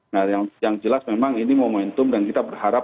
nah yang jelas memang ini momentum dan kita berharap